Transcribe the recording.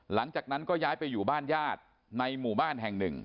หลังจากนั้นก็ย้ายไปอยู่บ้านญาติในหมู่บ้านแห่งหนึ่ง